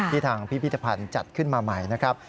ทางพิพิธภัณฑ์จัดขึ้นมาใหม่นะครับ